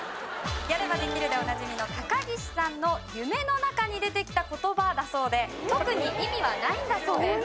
「やればできる」でおなじみの高岸さんの夢の中に出てきた言葉だそうで特に意味はないんだそうです。